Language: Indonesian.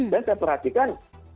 dan saya perhatikan